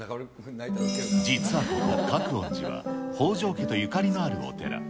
実はここ、覚園寺は、北条家とゆかりのあるお寺。